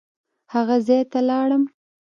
هغه ځای ته لاړم.